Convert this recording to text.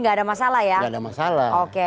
nggak ada masalah ya nggak ada masalah oke